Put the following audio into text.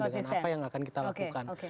dengan apa yang akan kita lakukan